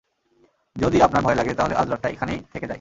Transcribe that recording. যদি আপনার ভয় লাগে, তাহলে আজ রাতটা এখানেই থেকে যাই।